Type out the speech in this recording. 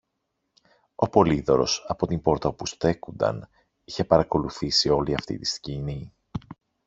Ο Πολύδωρος, από την πόρτα όπου στέκουνταν, είχε παρακολουθήσει όλη αυτή τη σκηνή